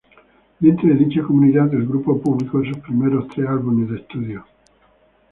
Dentro de dicha comunidad el grupo publicó sus primeros tres álbumes de estudio.